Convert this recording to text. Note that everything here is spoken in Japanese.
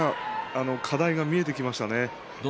琴ノ若は課題が見えてきましたね。